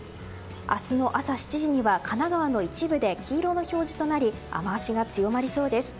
明日の朝７時には神奈川の一部で黄色の表示となり雨脚が強まりそうです。